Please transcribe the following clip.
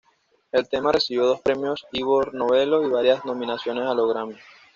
El tema recibió dos premios Ivor Novello y varias nominaciones a los Grammy.